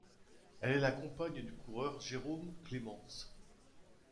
Elle est la compagne du coureur Jérôme Clementz.